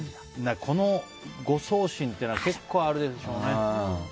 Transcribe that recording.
この誤送信っていうのは結構あるでしょうね。